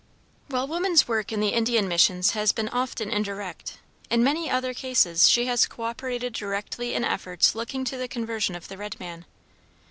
While woman's work in the Indian missions has been often indirect, in many other cases she has cooperated directly in efforts looking to the conversion of the red man.